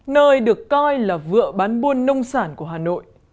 nơi được coi là vựa bán buôn nông sản của hà nội